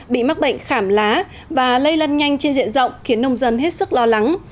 bị mắc bệnh khảm lá và lây lan nhanh trên diện rộng khiến nông dân hết sức lo lắng